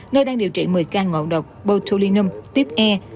nơi đang điều trị một mươi ca ngộ độc botutulinum tiếp e